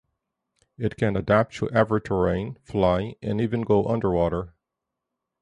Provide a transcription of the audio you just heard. It can adapt to every terrain, fly, and even go underwater.